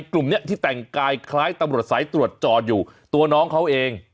กลุ่มนี้ที่แต่งกายคล้ายตำรวจสายตรวจจอดอยู่ตัวน้องเขาเอง